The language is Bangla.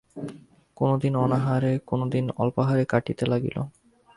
কোনোদিন অনাহারে কোনোদিন অল্পাহারে কাটিতে লাগিল।